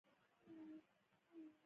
جګړه د انسان روح ژاړي